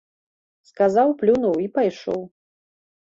Сказаў, плюнуў і пайшоў.